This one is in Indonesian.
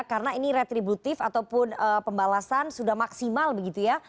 karena ini retributif ataupun pembalasan sudah maksimal begitu ya